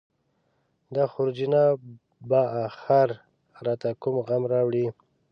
دا خورجینه به اخر راته کوم غم راوړي.